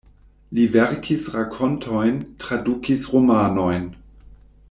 Li verkis rakontojn, tradukis romanojn.